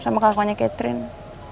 sama kelakunya catherine